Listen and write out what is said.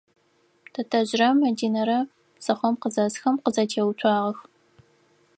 Тэтэжърэ Мадинэрэ псыхъом къызэсхэм къызэтеуцуагъэх.